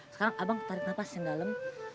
sekarang abang tarik nafas yang dalam